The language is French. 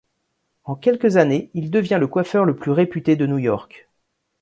En quelques années, il devient le coiffeur le plus réputé de New York.